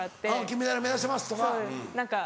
「金メダル目指してます！」とか。